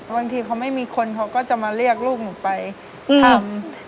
บางทีเขาไม่มีคนเขาก็จะมาเรียกลูกหนูไปทำ